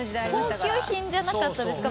高級品じゃなかったですか？